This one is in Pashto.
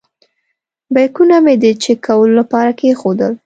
بیکونه مې د چېک کولو لپاره کېښودل.